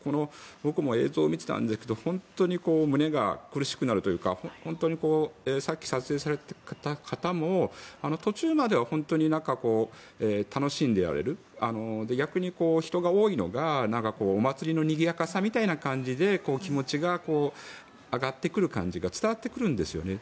僕も映像を見ていたんですが本当に胸が苦しくなるというか本当にさっき撮影されていた方も途中までは楽しんでおられる逆に人が多いのがお祭りのにぎやかさみたいな感じで気持ちが上がってくる感じが伝わってくるんですよね。